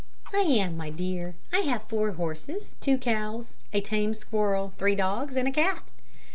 "I am, my dear. I have four horses, two cows, a tame squirrel, three dogs, and a cat."